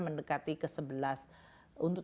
mendekati ke sebelas untuk